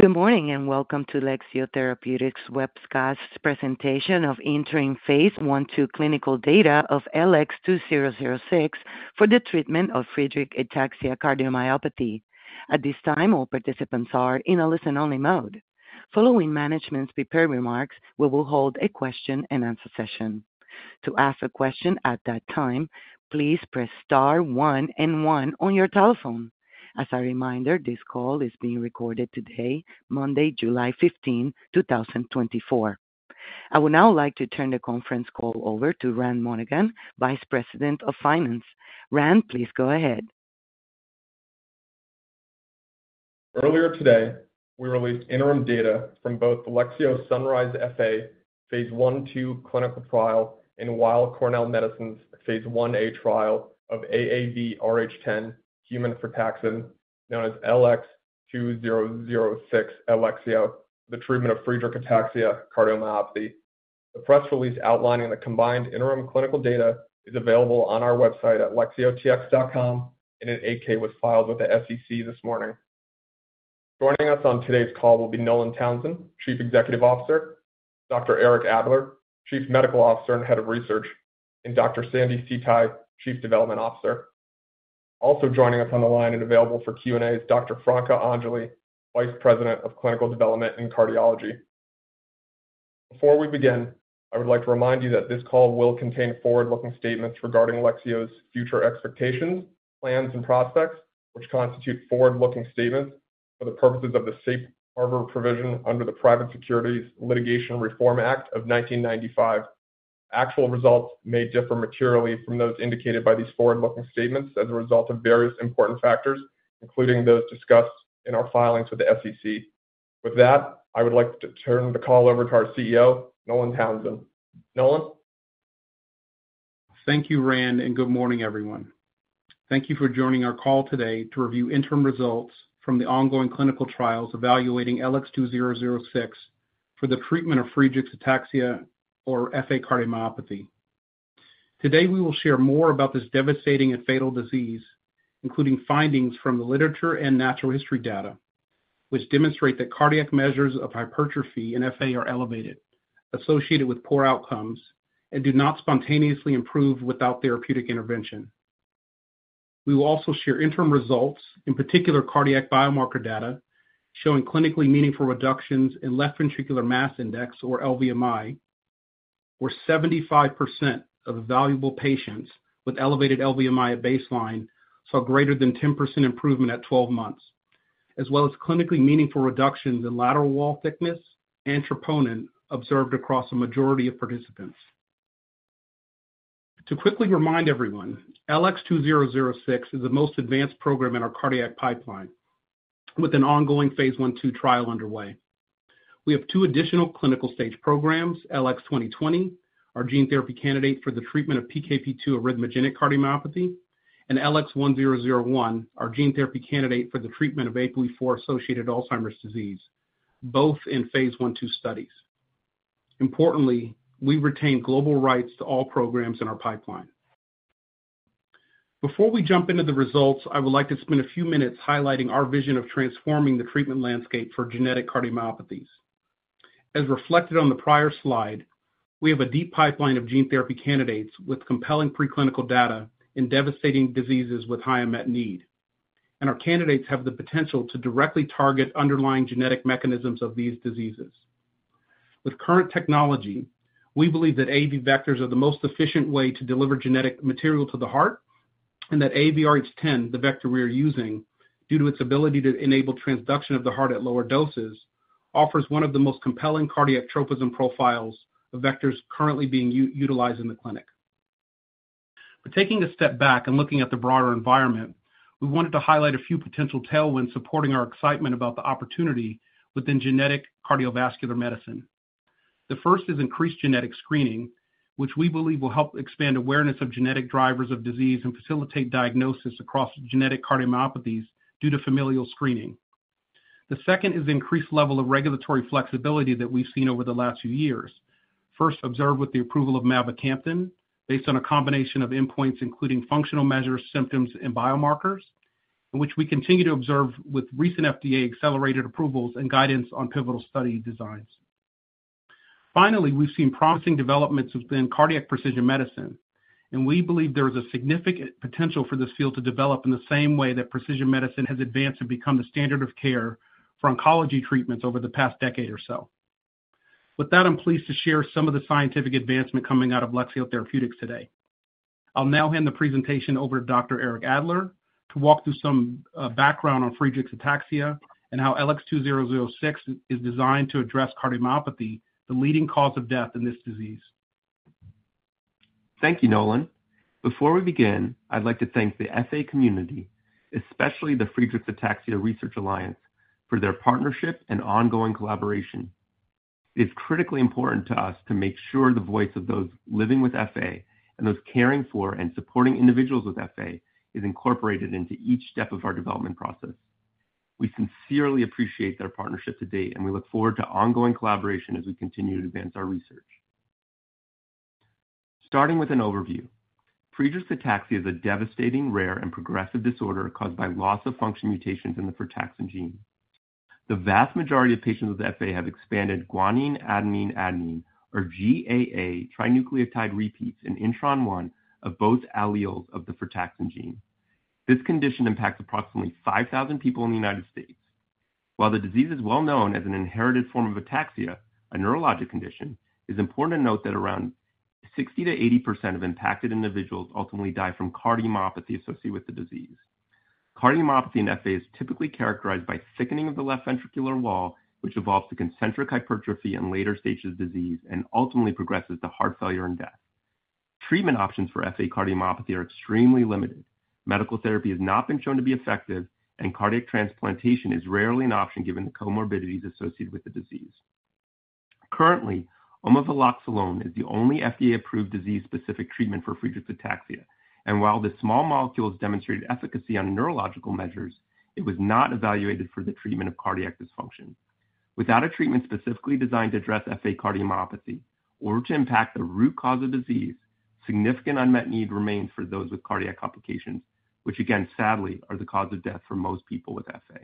Good morning, and welcome to Lexeo Therapeutics webcast presentation of Interim Phase 1/2 Clinical Data of LX2006 for the treatment of Friedreich's ataxia cardiomyopathy. At this time, all participants are in a listen-only mode. Following management's prepared remarks, we will hold a question-and-answer session. To ask a question at that time, please press star one and one on your telephone. As a reminder, this call is being recorded today, Monday, July 15, 2024. I would now like to turn the conference call over to Rand Monaghan, Vice President of Finance. Rand, please go ahead. Earlier today, we released interim data from both the Lexeo SUNRISE-FA phase 1, 2 clinical trial and Weill Cornell Medicine's Phase 1a trial of AAVrh10 human frataxin, known as LX2006, Lexeo, for the treatment of Friedreich's ataxia cardiomyopathy. The press release outlining the combined interim clinical data is available on our website at lexeotx.com, and an 8-K was filed with the SEC this morning. Joining us on today's call will be Nolan Townsend, Chief Executive Officer, Dr. Eric Adler, Chief Medical Officer and Head of Research, and Dr. Sandi See Tai, Chief Development Officer. Also joining us on the line and available for Q&A is Dr. Franca Angeli, Vice President of Clinical Development in Cardiology. Before we begin, I would like to remind you that this call will contain forward-looking statements regarding Lexeo's future expectations, plans, and prospects, which constitute forward-looking statements for the purposes of the safe harbor provision under the Private Securities Litigation Reform Act of 1995. Actual results may differ materially from those indicated by these forward-looking statements as a result of various important factors, including those discussed in our filings with the SEC. With that, I would like to turn the call over to our CEO, Nolan Townsend. Nolan? Thank you, Rand, and good morning, everyone. Thank you for joining our call today to review interim results from the ongoing clinical trials evaluating LX2006 for the treatment of Friedreich's ataxia or FA cardiomyopathy. Today, we will share more about this devastating and fatal disease, including findings from the literature and natural history data, which demonstrate that cardiac measures of hypertrophy and FA are elevated, associated with poor outcomes, and do not spontaneously improve without therapeutic intervention. We will also share interim results, in particular cardiac biomarker data, showing clinically meaningful reductions in left ventricular mass index, or LVMI, where 75% of evaluable patients with elevated LVMI at baseline saw greater than 10% improvement at 12 months, as well as clinically meaningful reductions in lateral wall thickness and troponin observed across a majority of participants. To quickly remind everyone, LX2006 is the most advanced program in our cardiac pipeline, with an ongoing phase 1/2 trial underway. We have two additional clinical stage programs, LX2020, our gene therapy candidate for the treatment of PKP2 arrhythmogenic cardiomyopathy, and LX1001, our gene therapy candidate for the treatment of APOE4-associated Alzheimer's disease, both in phase 1/2 studies. Importantly, we retain global rights to all programs in our pipeline. Before we jump into the results, I would like to spend a few minutes highlighting our vision of transforming the treatment landscape for genetic cardiomyopathies. As reflected on the prior slide, we have a deep pipeline of gene therapy candidates with compelling preclinical data in devastating diseases with high unmet need, and our candidates have the potential to directly target underlying genetic mechanisms of these diseases. With current technology, we believe that AAV vectors are the most efficient way to deliver genetic material to the heart, and that AAVrh10, the vector we are using, due to its ability to enable transduction of the heart at lower doses, offers one of the most compelling cardiac tropism profiles of vectors currently being utilized in the clinic. But taking a step back and looking at the broader environment, we wanted to highlight a few potential tailwinds supporting our excitement about the opportunity within genetic cardiovascular medicine. The first is increased genetic screening, which we believe will help expand awareness of genetic drivers of disease and facilitate diagnosis across genetic cardiomyopathies due to familial screening. The second is increased level of regulatory flexibility that we've seen over the last few years. First, observed with the approval of mavacamten, based on a combination of endpoints, including functional measures, symptoms, and biomarkers, in which we continue to observe with recent FDA accelerated approvals and guidance on pivotal study designs. Finally, we've seen promising developments within cardiac precision medicine, and we believe there is a significant potential for this field to develop in the same way that precision medicine has advanced and become the standard of care for oncology treatments over the past decade or so. With that, I'm pleased to share some of the scientific advancement coming out of Lexeo Therapeutics today. I'll now hand the presentation over to Dr. Eric Adler to walk through some background on Friedreich's ataxia and how LX2006 is designed to address cardiomyopathy, the leading cause of death in this disease. Thank you, Nolan. Before we begin, I'd like to thank the FA community, especially the Friedreich's Ataxia Research Alliance, for their partnership and ongoing collaboration. It's critically important to us to make sure the voice of those living with FA and those caring for and supporting individuals with FA is incorporated into each step of our development process. We sincerely appreciate their partnership to date, and we look forward to ongoing collaboration as we continue to advance our research.... Starting with an overview. Friedreich's ataxia is a devastating, rare, and progressive disorder caused by loss-of-function mutations in the frataxin gene. The vast majority of patients with FA have expanded guanine adenine adenine, or GAA, trinucleotide repeats in intron one of both alleles of the frataxin gene. This condition impacts approximately 5,000 people in the United States. While the disease is well known as an inherited form of ataxia, a neurologic condition, it's important to note that around 60%-80% of impacted individuals ultimately die from cardiomyopathy associated with the disease. Cardiomyopathy in FA is typically characterized by thickening of the left ventricular wall, which evolves to concentric hypertrophy in later stages of disease and ultimately progresses to heart failure and death. Treatment options for FA cardiomyopathy are extremely limited. Medical therapy has not been shown to be effective, and cardiac transplantation is rarely an option, given the comorbidities associated with the disease. Currently, omaveloxolone is the only FDA-approved disease-specific treatment for Friedreich's ataxia, and while this small molecule has demonstrated efficacy on neurological measures, it was not evaluated for the treatment of cardiac dysfunction. Without a treatment specifically designed to address FA cardiomyopathy or to impact the root cause of disease, significant unmet need remains for those with cardiac complications, which again, sadly, are the cause of death for most people with FA.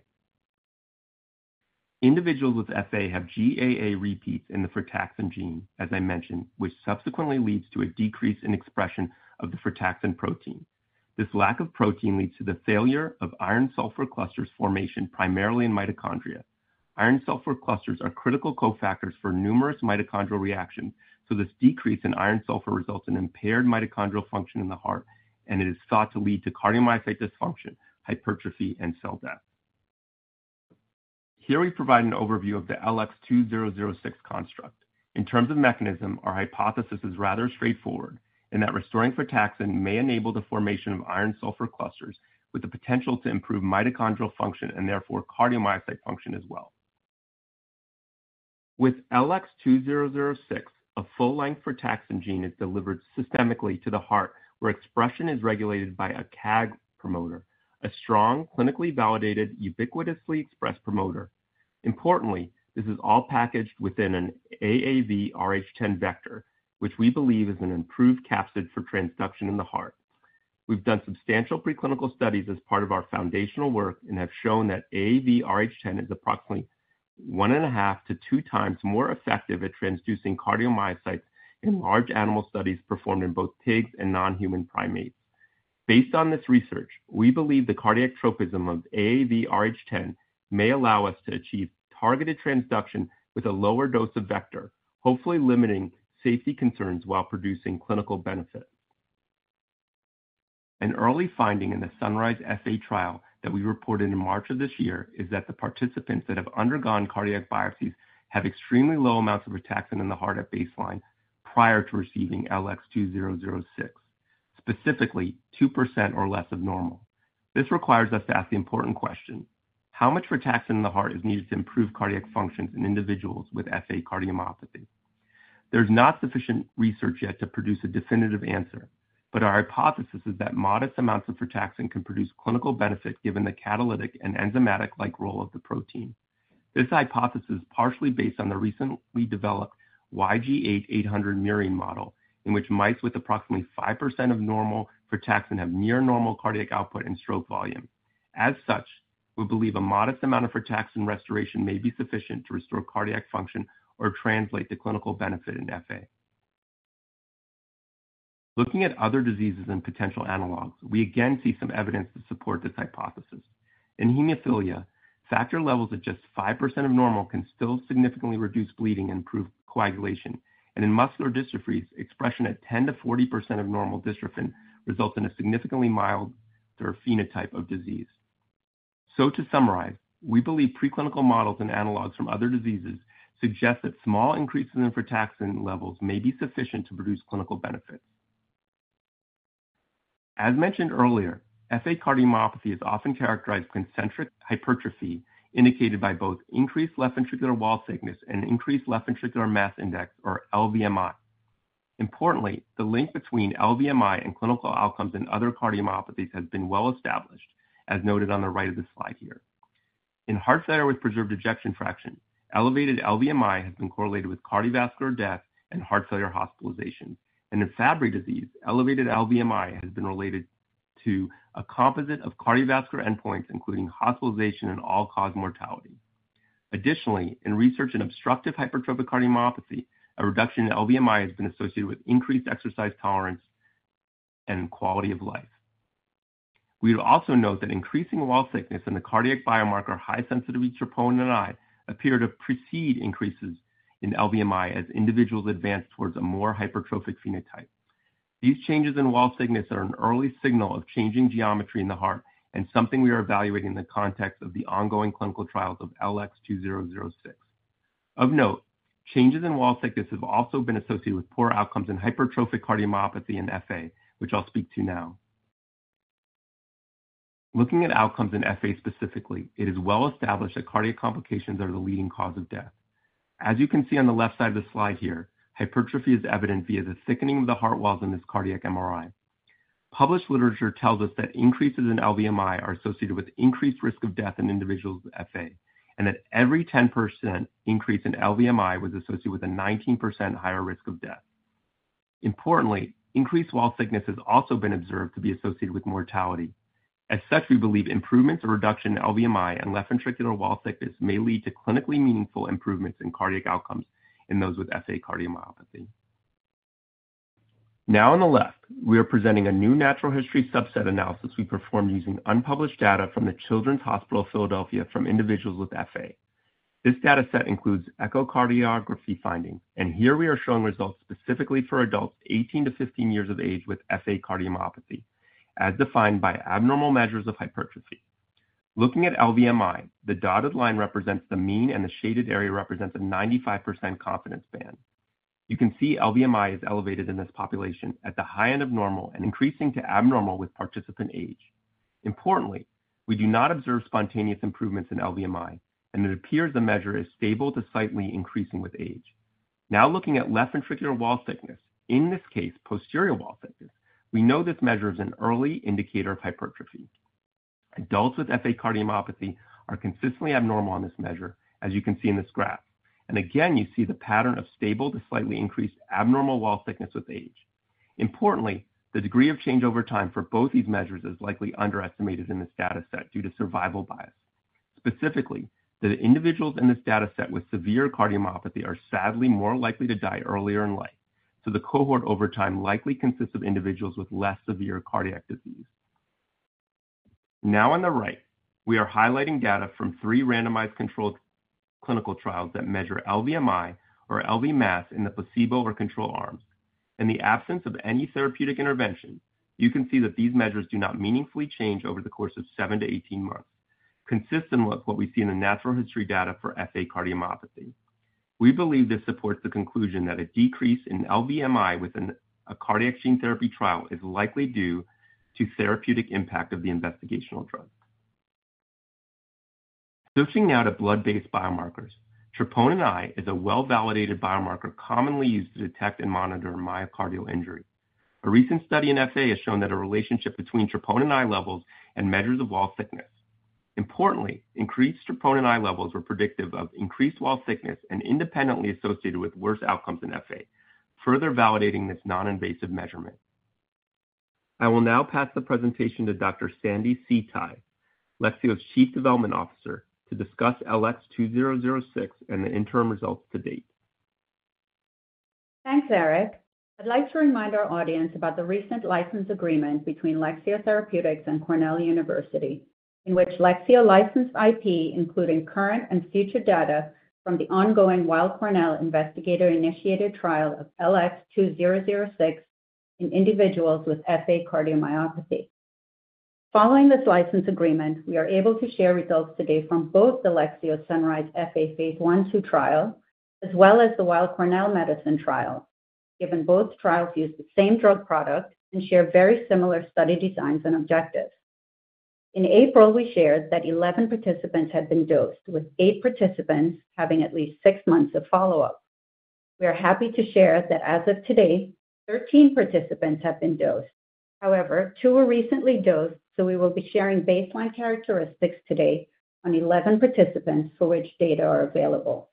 Individuals with FA have GAA repeats in the frataxin gene, as I mentioned, which subsequently leads to a decrease in expression of the frataxin protein. This lack of protein leads to the failure of iron sulfur clusters formation primarily in mitochondria. Iron-sulfur clusters are critical cofactors for numerous mitochondrial reactions, so this decrease in iron-sulfur results in impaired mitochondrial function in the heart, and it is thought to lead to cardiomyocyte dysfunction, hypertrophy, and cell death. Here, we provide an overview of the LX2006 construct. In terms of mechanism, our hypothesis is rather straightforward, in that restoring frataxin may enable the formation of iron-sulfur clusters with the potential to improve mitochondrial function and therefore cardiomyocyte function as well. With LX2006, a full-length frataxin gene is delivered systemically to the heart, where expression is regulated by a CAG promoter, a strong, clinically validated, ubiquitously expressed promoter. Importantly, this is all packaged within an AAVrh10 vector, which we believe is an improved capsid for transduction in the heart. We've done substantial preclinical studies as part of our foundational work and have shown that AAVrh10 is approximately 1.5-2 times more effective at transducing cardiomyocytes in large animal studies performed in both pigs and non-human primates. Based on this research, we believe the cardiac tropism of AAVrh10 may allow us to achieve targeted transduction with a lower dose of vector, hopefully limiting safety concerns while producing clinical benefit. An early finding in the SUNRISE-FA trial that we reported in March of this year is that the participants that have undergone cardiac biopsies have extremely low amounts of frataxin in the heart at baseline prior to receiving LX2006, specifically 2% or less of normal. This requires us to ask the important question: How much frataxin in the heart is needed to improve cardiac function in individuals with FA cardiomyopathy? There's not sufficient research yet to produce a definitive answer, but our hypothesis is that modest amounts of frataxin can produce clinical benefit, given the catalytic and enzymatic-like role of the protein. This hypothesis is partially based on the recently developed YG8-800 murine model, in which mice with approximately 5% of normal frataxin have near normal cardiac output and stroke volume. As such, we believe a modest amount of frataxin restoration may be sufficient to restore cardiac function or translate to clinical benefit in FA. Looking at other diseases and potential analogs, we again see some evidence to support this hypothesis. In hemophilia, factor levels of just 5% of normal can still significantly reduce bleeding and improve coagulation, and in muscular dystrophies, expression at 10%-40% of normal dystrophin results in a significantly milder phenotype of disease. To summarize, we believe preclinical models and analogs from other diseases suggest that small increases in frataxin levels may be sufficient to produce clinical benefit. As mentioned earlier, FA cardiomyopathy is often characterized by concentric hypertrophy, indicated by both increased left ventricular wall thickness and increased left ventricular mass index, or LVMI. Importantly, the link between LVMI and clinical outcomes in other cardiomyopathies has been well established, as noted on the right of the slide here. In heart failure with preserved ejection fraction, elevated LVMI has been correlated with cardiovascular death and heart failure hospitalization, and in Fabry disease, elevated LVMI has been related to a composite of cardiovascular endpoints, including hospitalization and all-cause mortality. Additionally, in research in obstructive hypertrophic cardiomyopathy, a reduction in LVMI has been associated with increased exercise tolerance and quality of life. We would also note that increasing wall thickness in the cardiac biomarker, high-sensitivity troponin I, appear to precede increases in LVMI as individuals advance towards a more hypertrophic phenotype. These changes in wall thickness are an early signal of changing geometry in the heart and something we are evaluating in the context of the ongoing clinical trials of LX2006. Of note, changes in wall thickness have also been associated with poor outcomes in hypertrophic cardiomyopathy and FA, which I'll speak to now. Looking at outcomes in FA specifically, it is well established that cardiac complications are the leading cause of death. As you can see on the left side of the slide here, hypertrophy is evident via the thickening of the heart walls in this cardiac MRI. Published literature tells us that increases in LVMI are associated with increased risk of death in individuals with FA, and that every 10% increase in LVMI was associated with a 19% higher risk of death. Importantly, increased wall thickness has also been observed to be associated with mortality. As such, we believe improvements or reduction in LVMI and left ventricular wall thickness may lead to clinically meaningful improvements in cardiac outcomes in those with FA cardiomyopathy. Now, on the left, we are presenting a new natural history subset analysis we performed using unpublished data from the Children's Hospital of Philadelphia from individuals with FA. This dataset includes echocardiography findings, and here we are showing results specifically for adults 18 to 15 years of age with FA cardiomyopathy, as defined by abnormal measures of hypertrophy. Looking at LVMI, the dotted line represents the mean, and the shaded area represents a 95% confidence band. You can see LVMI is elevated in this population at the high end of normal and increasing to abnormal with participant age. Importantly, we do not observe spontaneous improvements in LVMI, and it appears the measure is stable to slightly increasing with age. Now, looking at left ventricular wall thickness, in this case, posterior wall thickness, we know this measure is an early indicator of hypertrophy. Adults with FA cardiomyopathy are consistently abnormal on this measure, as you can see in this graph. And again, you see the pattern of stable to slightly increased abnormal wall thickness with age. Importantly, the degree of change over time for both these measures is likely underestimated in this dataset due to survival bias. Specifically, that individuals in this dataset with severe cardiomyopathy are sadly more likely to die earlier in life, so the cohort over time likely consists of individuals with less severe cardiac disease. Now on the right, we are highlighting data from 3 randomized controlled clinical trials that measure LVMI or LV mass in the placebo or control arms. In the absence of any therapeutic intervention, you can see that these measures do not meaningfully change over the course of 7-18 months, consistent with what we see in the natural history data for FA cardiomyopathy. We believe this supports the conclusion that a decrease in LVMI within a cardiac gene therapy trial is likely due to therapeutic impact of the investigational drug. Switching now to blood-based biomarkers. Troponin I is a well-validated biomarker commonly used to detect and monitor myocardial injury. A recent study in FA has shown that a relationship between troponin I levels and measures of wall thickness. Importantly, increased troponin I levels were predictive of increased wall thickness and independently associated with worse outcomes in FA, further validating this non-invasive measurement. I will now pass the presentation to Dr. Sandi See-Tai, Lexeo's Chief Development Officer, to discuss LX2006 and the interim results to date. Thanks, Eric. I'd like to remind our audience about the recent license agreement between Lexeo Therapeutics and Cornell University, in which Lexeo licensed IP, including current and future data from the ongoing Weill Cornell Investigator-Initiated Trial of LX2006 in individuals with FA cardiomyopathy. Following this license agreement, we are able to share results today from both the Lexeo SUNRISE-FA phase I/II trial, as well as the Weill Cornell Medicine trial, given both trials use the same drug product and share very similar study designs and objectives. In April, we shared that 11 participants had been dosed, with 8 participants having at least 6 months of follow-up. We are happy to share that as of today, 13 participants have been dosed. However, 2 were recently dosed, so we will be sharing baseline characteristics today on 11 participants for which data are available.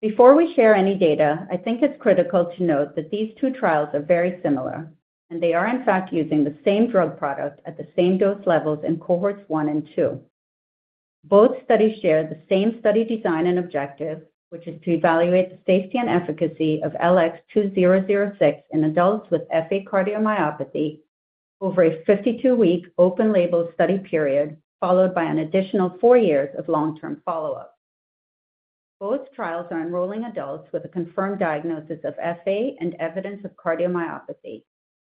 Before we share any data, I think it's critical to note that these two trials are very similar, and they are in fact using the same drug product at the same dose levels in cohorts 1 and 2. Both studies share the same study design and objective, which is to evaluate the safety and efficacy of LX2006 in adults with FA cardiomyopathy over a 52-week open-label study period, followed by an additional 4 years of long-term follow-up. Both trials are enrolling adults with a confirmed diagnosis of FA and evidence of cardiomyopathy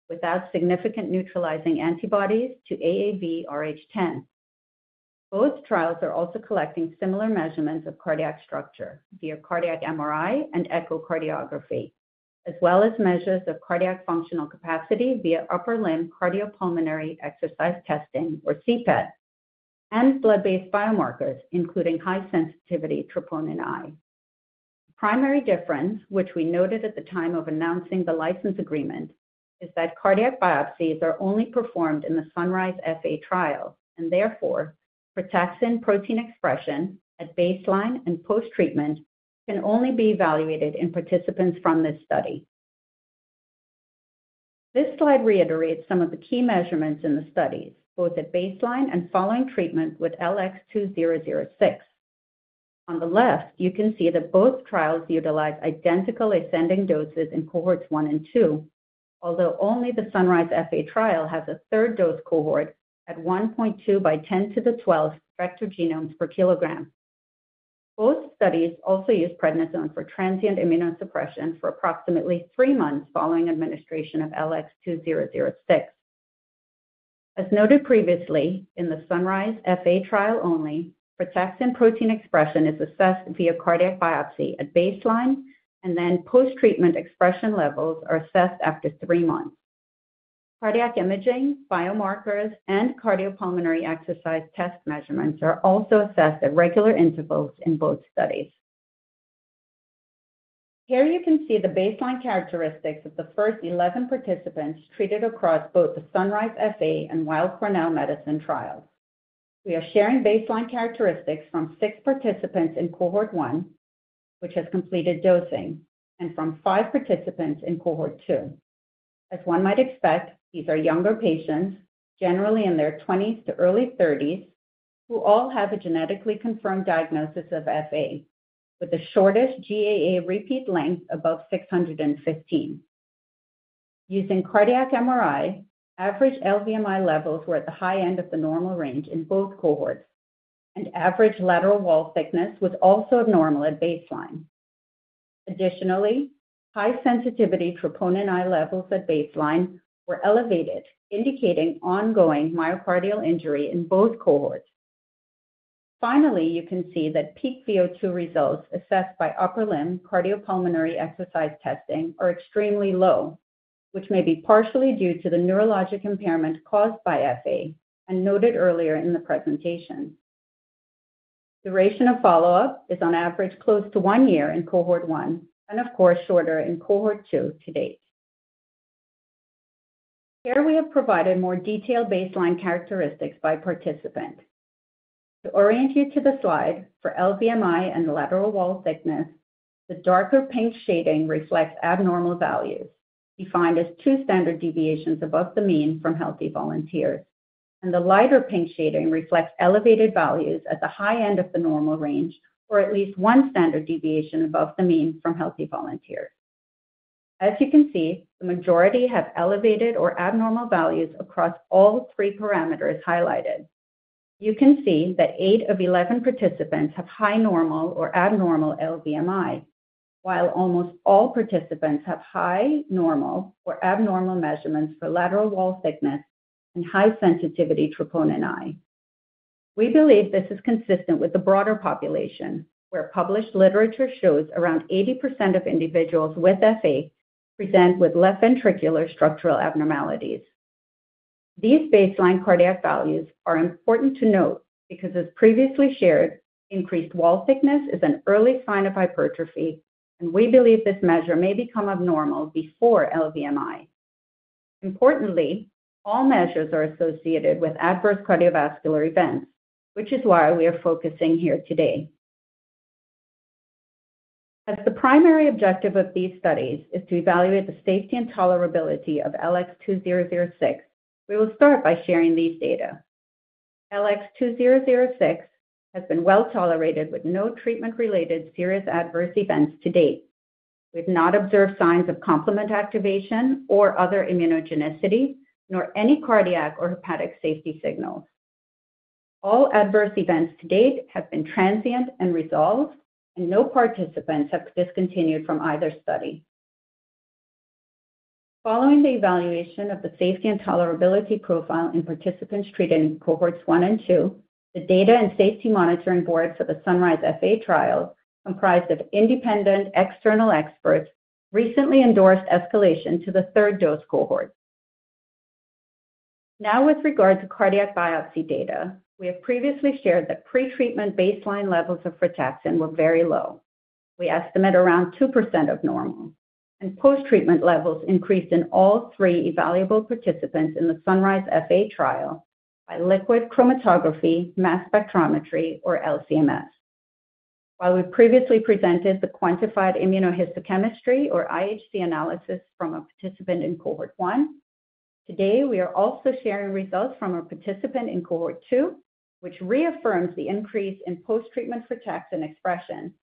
without significant neutralizing antibodies to AAVrh10. Both trials are also collecting similar measurements of cardiac structure via cardiac MRI and echocardiography, as well as measures of cardiac functional capacity via upper limb cardiopulmonary exercise testing, or CPET, and blood-based biomarkers, including high-sensitivity troponin I. The primary difference, which we noted at the time of announcing the license agreement, is that cardiac biopsies are only performed in the SUNRISE-FA trial, and therefore, frataxin protein expression at baseline and post-treatment can only be evaluated in participants from this study. This slide reiterates some of the key measurements in the studies, both at baseline and following treatment with LX2006. On the left, you can see that both trials utilize identical ascending doses in cohorts 1 and 2, although only the SUNRISE-FA trial has a third dose cohort at 1.2 × 10^{12} vector genomes per kg. Both studies also use prednisone for transient immunosuppression for approximately three months following administration of LX2006. As noted previously, in the SUNRISE-FA trial only, frataxin protein expression is assessed via cardiac biopsy at baseline, and then post-treatment expression levels are assessed after three months. Cardiac imaging, biomarkers, and cardiopulmonary exercise test measurements are also assessed at regular intervals in both studies. Here you can see the baseline characteristics of the first 11 participants treated across both the SUNRISE-FA and Weill Cornell Medicine trials. We are sharing baseline characteristics from 6 participants in cohort 1, which has completed dosing, and from five participants in cohort 2. As one might expect, these are younger patients, generally in their 20s to early 30s, who all have a genetically confirmed diagnosis of FA, with the shortest GAA repeat length above 615. Using cardiac MRI, average LVMI levels were at the high end of the normal range in both cohorts, and average lateral wall thickness was also abnormal at baseline. Additionally, high-sensitivity troponin I levels at baseline were elevated, indicating ongoing myocardial injury in both cohorts. Finally, you can see that peak VO2 results assessed by upper limb cardiopulmonary exercise testing are extremely low, which may be partially due to the neurologic impairment caused by FA and noted earlier in the presentation. Duration of follow-up is, on average, close to one year in cohort 1 and of course, shorter in cohort 2 to date. Here we have provided more detailed baseline characteristics by participant. To orient you to the slide, for LVMI and the lateral wall thickness, the darker pink shading reflects abnormal values, defined as two standard deviations above the mean from healthy volunteers. The lighter pink shading reflects elevated values at the high end of the normal range, or at least one standard deviation above the mean from healthy volunteers. As you can see, the majority have elevated or abnormal values across all three parameters highlighted. You can see that eight of 11 participants have high, normal, or abnormal LVMI, while almost all participants have high, normal, or abnormal measurements for lateral wall thickness and high-sensitivity troponin I. We believe this is consistent with the broader population, where published literature shows around 80% of individuals with FA present with left ventricular structural abnormalities. These baseline cardiac values are important to note because, as previously shared, increased wall thickness is an early sign of hypertrophy, and we believe this measure may become abnormal before LVMI. Importantly, all measures are associated with adverse cardiovascular events, which is why we are focusing here today. As the primary objective of these studies is to evaluate the safety and tolerability of LX2006, we will start by sharing these data. LX2006 has been well tolerated, with no treatment-related serious adverse events to date. We've not observed signs of complement activation or other immunogenicity, nor any cardiac or hepatic safety signals. All adverse events to date have been transient and resolved, and no participants have discontinued from either study. Following the evaluation of the safety and tolerability profile in participants treated in cohorts 1 and 2, the Data and Safety Monitoring Board for the SUNRISE-FA trial, comprised of independent external experts, recently endorsed escalation to the third dose cohort. Now, with regard to cardiac biopsy data, we have previously shared that pretreatment baseline levels of frataxin were very low. We estimate around 2% of normal, and post-treatment levels increased in all 3 evaluable participants in the SUNRISE-FA trial by liquid chromatography, mass spectrometry, or LC-MS. While we previously presented the quantified immunohistochemistry or IHC analysis from a participant in cohort 1, today we are also sharing results from a participant in cohort 2, which reaffirms the increase in post-treatment frataxin expression.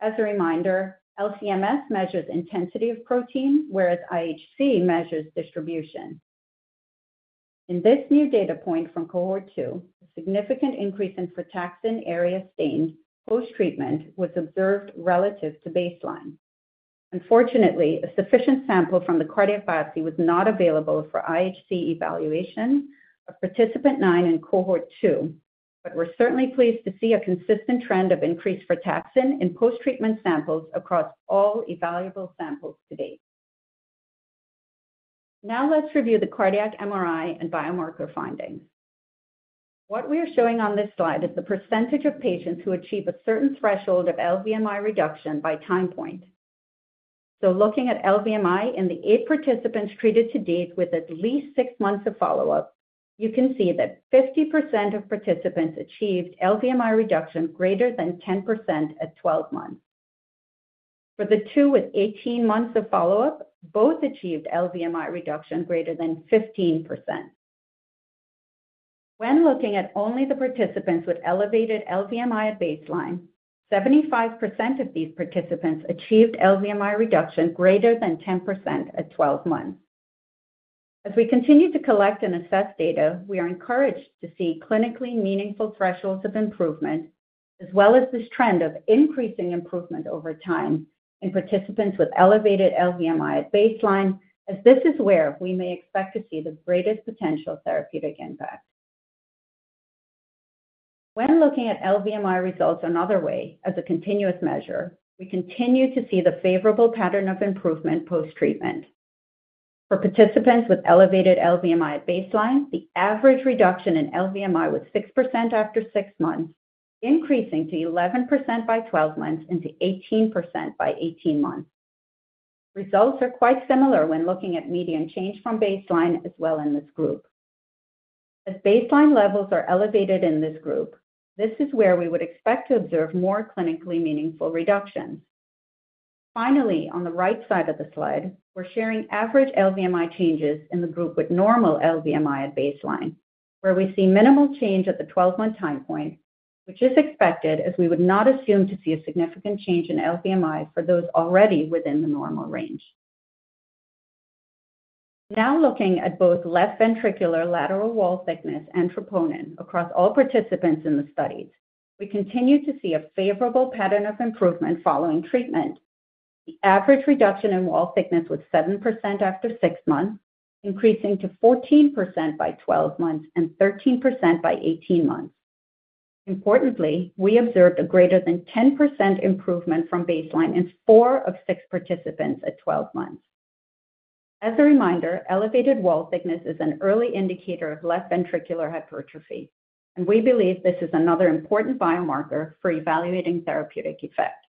As a reminder, LC-MS measures intensity of protein, whereas IHC measures distribution. In this new data point from cohort 2, a significant increase in frataxin area stained post-treatment was observed relative to baseline. Unfortunately, a sufficient sample from the cardiac biopsy was not available for IHC evaluation of participant 9 in cohort 2, but we're certainly pleased to see a consistent trend of increased frataxin in post-treatment samples across all evaluable samples to date. Now let's review the cardiac MRI and biomarker findings. What we are showing on this slide is the percentage of patients who achieve a certain threshold of LVMI reduction by time point. Looking at LVMI in the 8 participants treated to date with at least 6 months of follow-up, you can see that 50% of participants achieved LVMI reduction greater than 10% at 12 months. For the 2 with 18 months of follow-up, both achieved LVMI reduction greater than 15%. When looking at only the participants with elevated LVMI at baseline, 75% of these participants achieved LVMI reduction greater than 10% at 12 months. As we continue to collect and assess data, we are encouraged to see clinically meaningful thresholds of improvement, as well as this trend of increasing improvement over time in participants with elevated LVMI at baseline, as this is where we may expect to see the greatest potential therapeutic impact. When looking at LVMI results another way, as a continuous measure, we continue to see the favorable pattern of improvement post-treatment... For participants with elevated LVMI at baseline, the average reduction in LVMI was 6% after 6 months, increasing to 11% by 12 months and to 18% by 18 months. Results are quite similar when looking at median change from baseline as well in this group. As baseline levels are elevated in this group, this is where we would expect to observe more clinically meaningful reductions. Finally, on the right side of the slide, we're sharing average LVMI changes in the group with normal LVMI at baseline, where we see minimal change at the 12-month time point, which is expected, as we would not assume to see a significant change in LVMI for those already within the normal range. Now looking at both left ventricular lateral wall thickness and troponin across all participants in the study, we continue to see a favorable pattern of improvement following treatment. The average reduction in wall thickness was 7% after 6 months, increasing to 14% by 12 months and 13% by 18 months. Importantly, we observed a greater than 10% improvement from baseline in 4 of 6 participants at 12 months. As a reminder, elevated wall thickness is an early indicator of left ventricular hypertrophy, and we believe this is another important biomarker for evaluating therapeutic effect.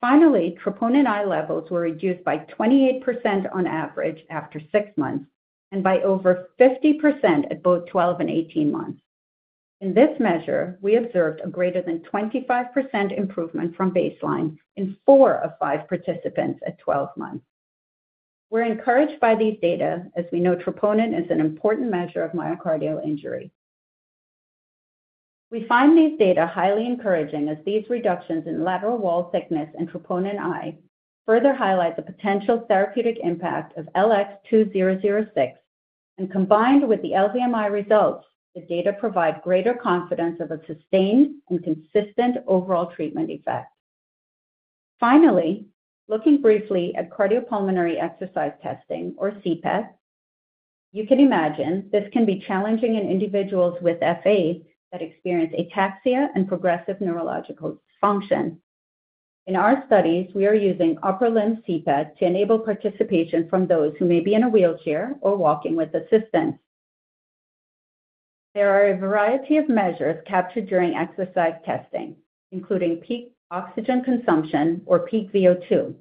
Finally, troponin I levels were reduced by 28% on average after 6 months, and by over 50% at both 12 and 18 months. In this measure, we observed a greater than 25% improvement from baseline in 4 of 5 participants at 12 months. We're encouraged by these data, as we know troponin is an important measure of myocardial injury. We find these data highly encouraging, as these reductions in lateral wall thickness and troponin I further highlight the potential therapeutic impact of LX2006, and combined with the LVMI results, the data provide greater confidence of a sustained and consistent overall treatment effect. Finally, looking briefly at cardiopulmonary exercise testing, or CPET, you can imagine this can be challenging in individuals with FA that experience ataxia and progressive neurological function. In our studies, we are using upper limb CPET to enable participation from those who may be in a wheelchair or walking with assistance. There are a variety of measures captured during exercise testing, including peak oxygen consumption or peak VO2,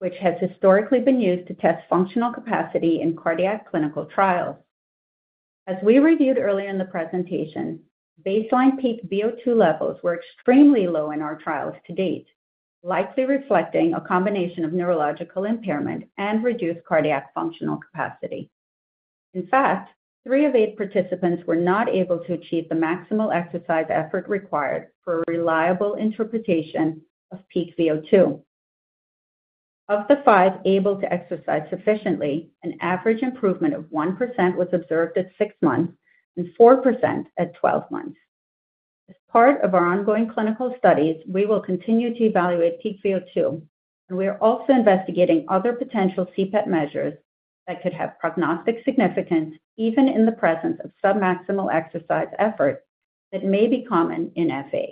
which has historically been used to test functional capacity in cardiac clinical trials. As we reviewed earlier in the presentation, baseline peak VO2 levels were extremely low in our trials to date, likely reflecting a combination of neurological impairment and reduced cardiac functional capacity. In fact, 3 of 8 participants were not able to achieve the maximal exercise effort required for a reliable interpretation of peak VO2. Of the 5 able to exercise sufficiently, an average improvement of 1% was observed at 6 months and 4% at 12 months. As part of our ongoing clinical studies, we will continue to evaluate peak VO2, and we are also investigating other potential CPET measures that could have prognostic significance, even in the presence of submaximal exercise effort that may be common in FA.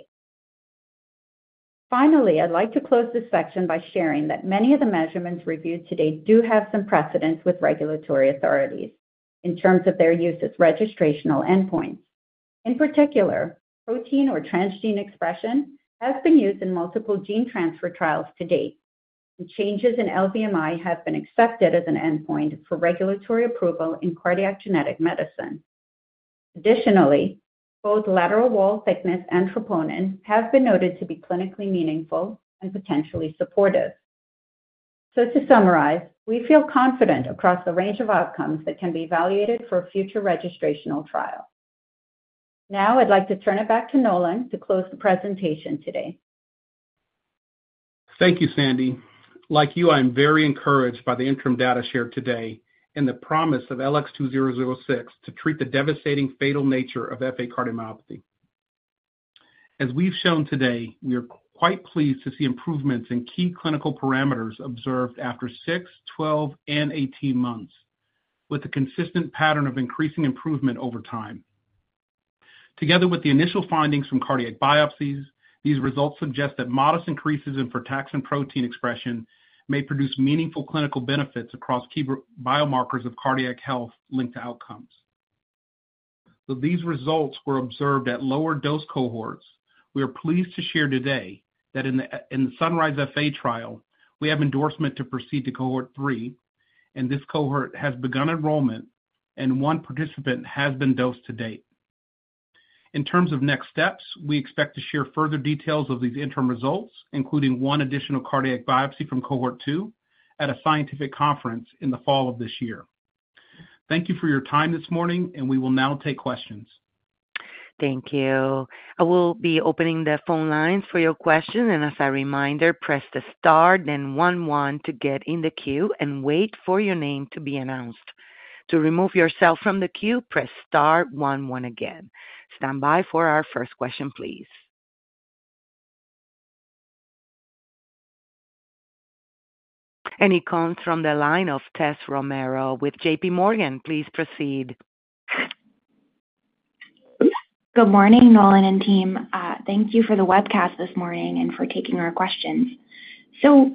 Finally, I'd like to close this section by sharing that many of the measurements reviewed today do have some precedence with regulatory authorities in terms of their use as registrational endpoints. In particular, protein or transgene expression has been used in multiple gene transfer trials to date. The changes in LVMI have been accepted as an endpoint for regulatory approval in cardiac genetic medicine. Additionally, both lateral wall thickness and troponin have been noted to be clinically meaningful and potentially supportive. So to summarize, we feel confident across the range of outcomes that can be evaluated for a future registrational trial. Now, I'd like to turn it back to Nolan to close the presentation today. Thank you, Sandi. Like you, I am very encouraged by the interim data shared today and the promise of LX2006 to treat the devastating fatal nature of FA cardiomyopathy. As we've shown today, we are quite pleased to see improvements in key clinical parameters observed after 6, 12, and 18 months, with a consistent pattern of increasing improvement over time. Together with the initial findings from cardiac biopsies, these results suggest that modest increases in frataxin protein expression may produce meaningful clinical benefits across key biomarkers of cardiac health linked to outcomes. Though these results were observed at lower dose cohorts, we are pleased to share today that in the SUNRISE-FA trial, we have endorsement to proceed to cohort 3, and this cohort has begun enrollment, and one participant has been dosed to date. In terms of next steps, we expect to share further details of these interim results, including one additional cardiac biopsy from cohort 2, at a scientific conference in the fall of this year. Thank you for your time this morning, and we will now take questions. Thank you. I will be opening the phone lines for your questions. As a reminder, press the star, then one, one to get in the queue and wait for your name to be announced. To remove yourself from the queue, press star one, one again. Stand by for our first question, please. It comes from the line of Tess Romero with J.P. Morgan. Please proceed. Good morning, Nolan and team. Thank you for the webcast this morning and for taking our questions. So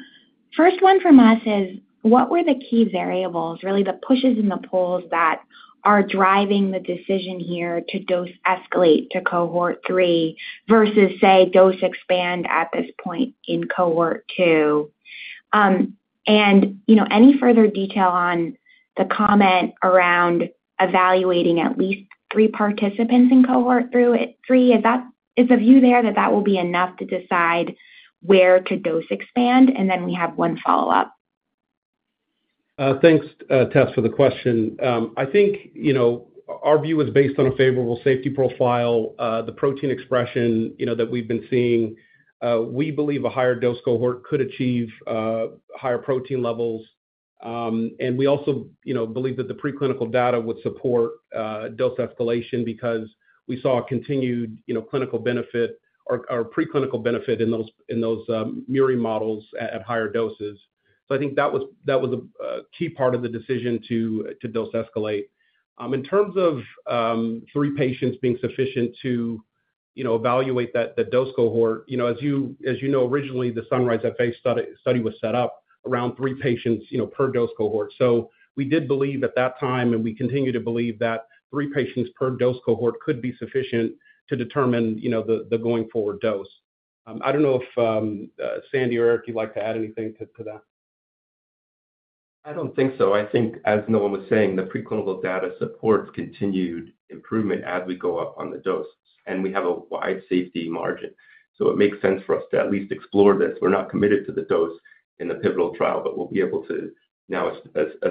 first one from us is: What were the key variables, really, the pushes and the pulls that are driving the decision here to dose escalate to cohort 3 versus, say, dose expand at this point in cohort 2? And, you know, any further detail on the comment around evaluating at least three participants in cohort 3, is that... Is the view there that that will be enough to decide where to dose expand? And then we have one follow-up. Thanks, Tess, for the question. I think, you know, our view is based on a favorable safety profile, the protein expression, you know, that we've been seeing. We believe a higher dose cohort could achieve higher protein levels. And we also, you know, believe that the preclinical data would support dose escalation because we saw a continued, you know, clinical benefit or preclinical benefit in those murine models at higher doses. So I think that was a key part of the decision to dose escalate. In terms of three patients being sufficient to, you know, evaluate that, the dose cohort, you know, as you know, originally, the SUNRISE FA study was set up around three patients, you know, per dose cohort. So we did believe at that time, and we continue to believe that three patients per dose cohort could be sufficient to determine, you know, the going forward dose. I don't know if Sandi or Eric, you'd like to add anything to that. I don't think so. I think as Nolan was saying, the preclinical data supports continued improvement as we go up on the dose, and we have a wide safety margin. So it makes sense for us to at least explore this. We're not committed to the dose in the pivotal trial, but we'll be able to now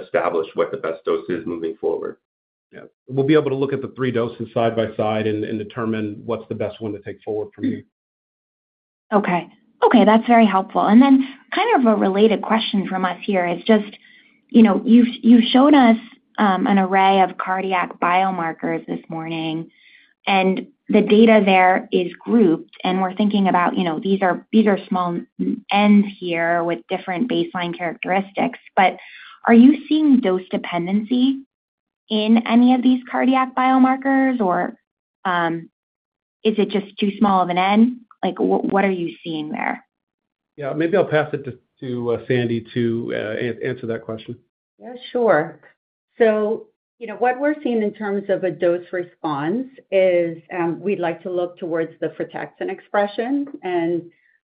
establish what the best dose is moving forward. Yeah. We'll be able to look at the three doses side by side and, and determine what's the best one to take forward from here. Okay. Okay, that's very helpful. And then kind of a related question from us here is just, you know, you've shown us an array of cardiac biomarkers this morning, and the data there is grouped, and we're thinking about, you know, these are these are small n's here with different baseline characteristics, but are you seeing dose dependency in any of these cardiac biomarkers, or is it just too small of an n? Like, what are you seeing there? Yeah. Maybe I'll pass it to Sandi to answer that question. Yeah, sure. So, you know, what we're seeing in terms of a dose response is, we'd like to look towards the frataxin expression and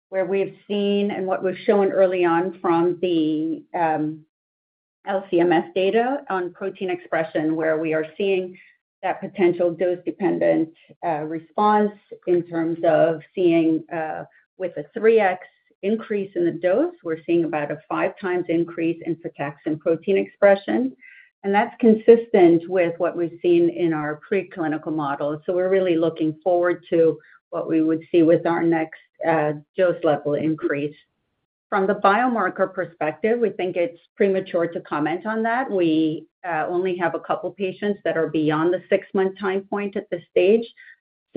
where we've seen and what was shown early on from the, LC-MS data on protein expression, where we are seeing that potential dose-dependent, response in terms of seeing, with a 3x increase in the dose, we're seeing about a 5 times increase in frataxin protein expression, and that's consistent with what we've seen in our preclinical models. So we're really looking forward to what we would see with our next, dose level increase. From the biomarker perspective, we think it's premature to comment on that. We, only have a couple patients that are beyond the 6-month time point at this stage.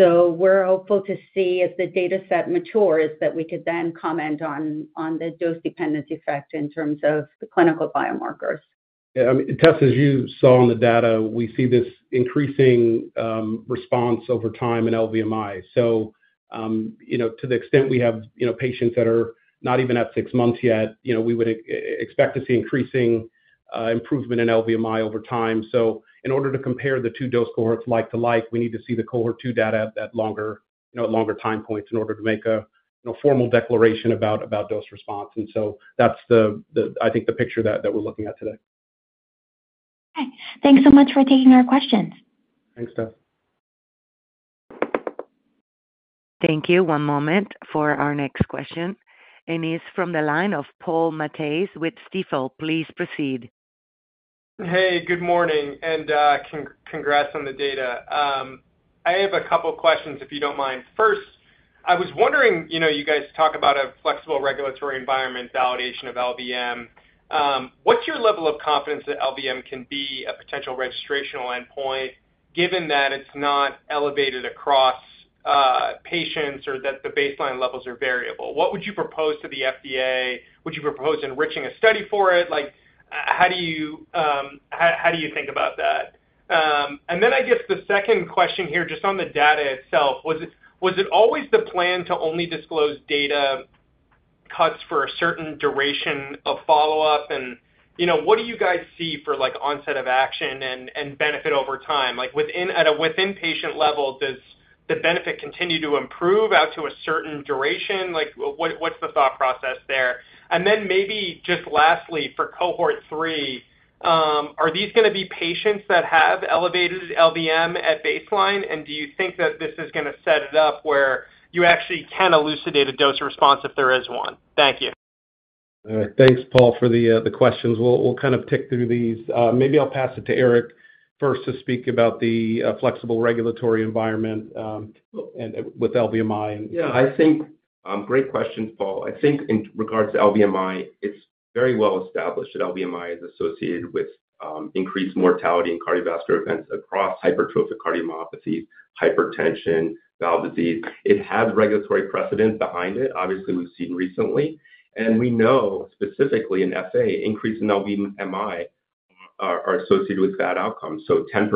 We're hopeful to see as the dataset matures, that we could then comment on the dose-dependency effect in terms of the clinical biomarkers. Yeah, I mean, Tess, as you saw in the data, we see this increasing response over time in LVMI. So, you know, to the extent we have, you know, patients that are not even at six months yet, you know, we would expect to see increasing improvement in LVMI over time. So in order to compare the two dose cohorts like to like, we need to see the cohort 2 data at that longer, you know, longer time points in order to make a, you know, formal declaration about, about dose response. And so that's the, the I think, the picture that, that we're looking at today. Okay. Thanks so much for taking our questions. Thanks, Tess. Thank you. One moment for our next question, and it's from the line of Paul Matteis with Stifel. Please proceed. Hey, good morning, and congrats on the data. I have a couple questions, if you don't mind. First, I was wondering, you know, you guys talk about a flexible regulatory environment, validation of LVMI. What's your level of confidence that LVMI can be a potential registrational endpoint, given that it's not elevated across patients or that the baseline levels are variable? What would you propose to the FDA? Would you propose enriching a study for it? Like, how do you think about that? And then I guess the second question here, just on the data itself, was it always the plan to only disclose data cuts for a certain duration of follow-up? And, you know, what do you guys see for, like, onset of action and benefit over time? Like, within... At a within-patient level, does the benefit continue to improve out to a certain duration? Like, what, what's the thought process there? And then maybe just lastly, for cohort 3, are these gonna be patients that have elevated LVMI at baseline? And do you think that this is gonna set it up where you actually can elucidate a dose response if there is one? Thank you. Thanks, Paul, for the questions. We'll kind of tick through these. Maybe I'll pass it to Eric first to speak about the flexible regulatory environment, and with LVMI. Yeah, I think great question, Paul. I think in regards to LVMI, it's very well established that LVMI is associated with increased mortality and cardiovascular events across hypertrophic cardiomyopathy, hypertension, valve disease. It has regulatory precedent behind it. Obviously, we've seen recently, and we know specifically in FA, increased LVMI are associated with bad outcomes. So 10%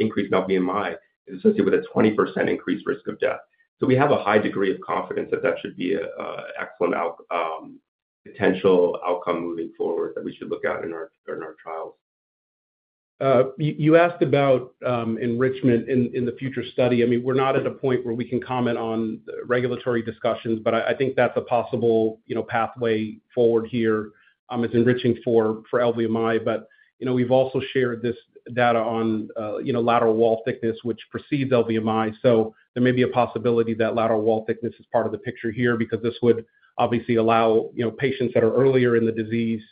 increase in LVMI is associated with a 20% increased risk of death. So we have a high degree of confidence that that should be an excellent potential outcome moving forward, that we should look at in our trials. You asked about enrichment in the future study. I mean, we're not at a point where we can comment on regulatory discussions, but I think that's a possible, you know, pathway forward here. It's enriching for LVMI, but, you know, we've also shared this data on, you know, lateral wall thickness, which precedes LVMI. So there may be a possibility that lateral wall thickness is part of the picture here, because this would obviously allow, you know, patients that are earlier in the disease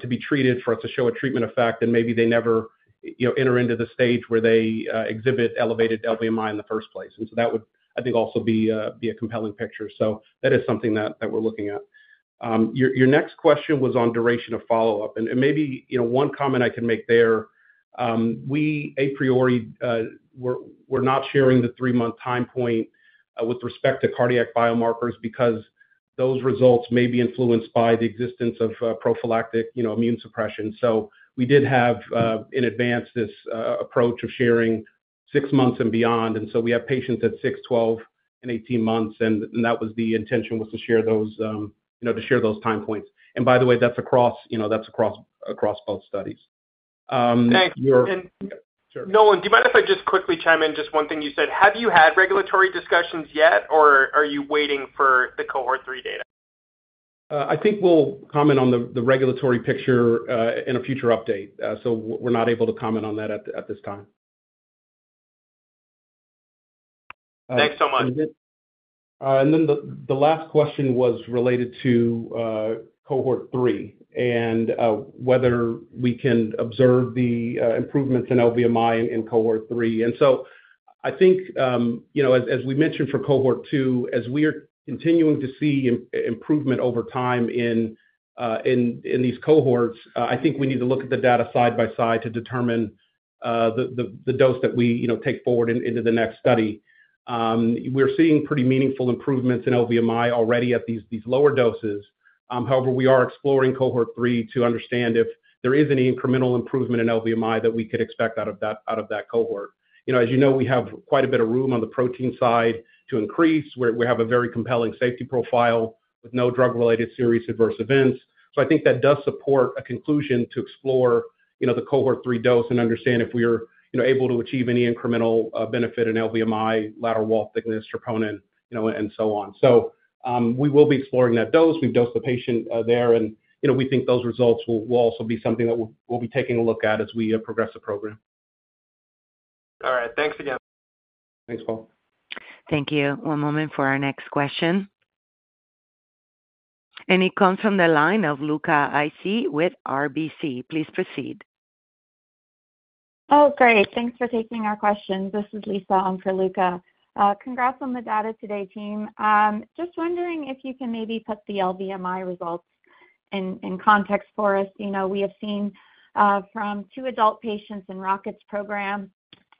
to be treated for it to show a treatment effect, and maybe they never, you know, enter into the stage where they exhibit elevated LVMI in the first place. And so that would, I think, also be a compelling picture. So that is something that we're looking at. Your next question was on duration of follow-up. And maybe, you know, one comment I can make there, we a priori, we're not sharing the 3-month time point with respect to cardiac biomarkers because those results may be influenced by the existence of prophylactic, you know, immune suppression. So we did have, in advance, this approach of sharing 6 months and beyond. And so we have patients at 6, 12, and 18 months, and that was the intention, was to share those, you know, to share those time points. And by the way, that's across, you know, that's across both studies. Your- Thanks. Nolan, do you mind if I just quickly chime in? Just one thing you said, have you had regulatory discussions yet, or are you waiting for the cohort 3 data? I think we'll comment on the regulatory picture in a future update. So we're not able to comment on that at this time. Thanks so much. And then the last question was related to cohort 3, and whether we can observe the improvements in LVMI in cohort 3. And so I think, you know, as we mentioned for cohort 2, as we are continuing to see improvement over time in these cohorts, I think we need to look at the data side by side to determine the dose that we, you know, take forward into the next study. We're seeing pretty meaningful improvements in LVMI already at these lower doses. However, we are exploring cohort 3 to understand if there is any incremental improvement in LVMI that we could expect out of that cohort. You know, as you know, we have quite a bit of room on the protein side to increase, where we have a very compelling safety profile with no drug-related serious adverse events. So I think that does support a conclusion to explore, you know, the cohort 3 dose and understand if we are, you know, able to achieve any incremental benefit in LVMI, lateral wall thickness, troponin, you know, and so on. So, we will be exploring that dose. We've dosed the patient there, and, you know, we think those results will also be something that we'll be taking a look at as we progress the program. All right. Thanks again. Thanks, Paul. Thank you. One moment for our next question. And it comes from the line of Luca Issi with RBC. Please proceed. Oh, great. Thanks for taking our questions. This is Lisa. I'm for Luca. Congrats on the data today, team. Just wondering if you can maybe put the LVMI results in context for us. You know, we have seen from two adult patients in Reata's program